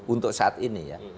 untuk saat ini ya